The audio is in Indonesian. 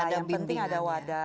yang penting ada wadah